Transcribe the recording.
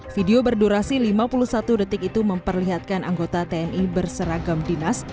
video berdurasi lima puluh satu detik itu memperlihatkan anggota tni berseragam dinas